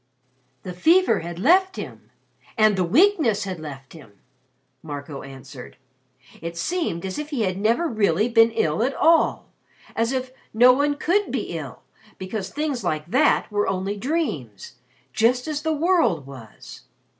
"The fever had left him, and the weakness had left him," Marco answered. "It seemed as if he had never really been ill at all as if no one could be ill, because things like that were only dreams, just as the world was."